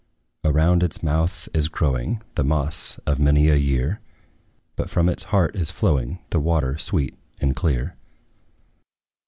Around its mouth is growing The moss of many a year; But from its heart is flowing The water sweet and clear.